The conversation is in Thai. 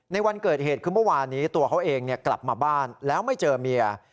ในวันเกิดเหตุคือเมื่อวานนี้ตัวเขาเองกลับมาบ้านแล้วไม่เจอเมีย